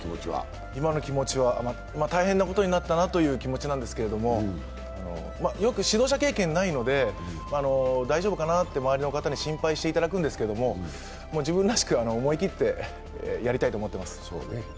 今の気持ちは、まあ大変なことになったなという気持ちなんですけど、よく指導者経験ないので大丈夫かなと周りの方に心配していただくんですけど、自分らしく思い切ってやりたいと思っています。